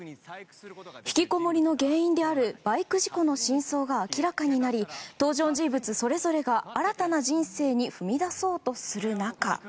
ひきこもりの原因であるバイク事故の真相が明らかになり登場人物それぞれが新たな人生に踏み出そうとする中。